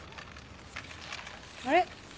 あれ？